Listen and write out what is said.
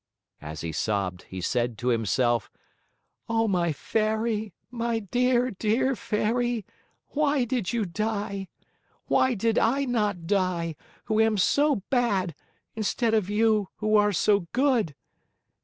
As he sobbed he said to himself: "Oh, my Fairy, my dear, dear Fairy, why did you die? Why did I not die, who am so bad, instead of you, who are so good?